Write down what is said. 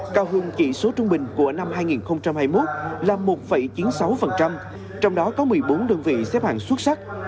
cao hơn chỉ số trung bình của năm hai nghìn hai mươi một là một chín mươi sáu trong đó có một mươi bốn đơn vị xếp hàng xuất sắc